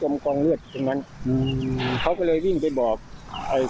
มาซื้อคนอะไรซื้ออะไรไปถวายไหมไม่เลย